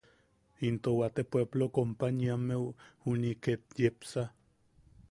Into waate pueplo companyiammeu juni’i ket yepsa.